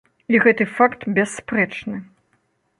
І гэты факт бясспрэчны!